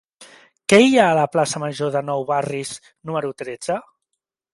Què hi ha a la plaça Major de Nou Barris número tretze?